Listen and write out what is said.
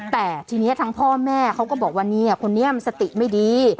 แต่ทีนี้ทั้งพ่อแม่เขาก็บอกว่าเนี่ยคนนี้มันสติไม่ดี